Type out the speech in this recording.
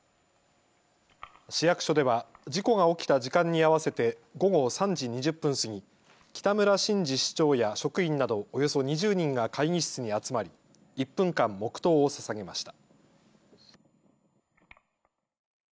市役所では事故が起きた時間に合わせて午後３時２０分過ぎ、北村新司市長や職員などおよそ２０人が会議室に集まり１分間、黙とうをささげました。